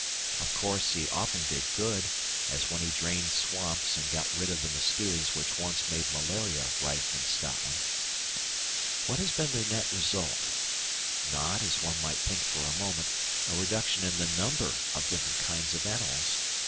Of course, he often did good, as when he drained swamps and got rid of the mosquitoes which once made malaria rife in Scotland. What has been the net result? Not, as one might think for a moment, a reduction in the number of different kinds of animals.